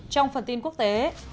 trong phần tin quốc tế